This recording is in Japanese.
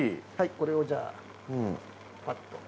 これをじゃあパッと。